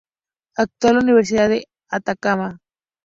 Actual Universidad de Atacama.